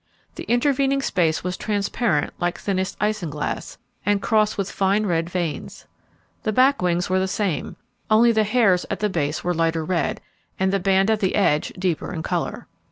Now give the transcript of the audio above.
The intervening space was transparent like thinnest isinglass, and crossed with fine red veins. The back wings were the same, only the hairs at the base were lighter red, and the band at the edge deeper in colour.